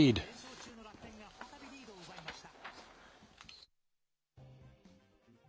連勝中の楽天が再びリードを奪いました。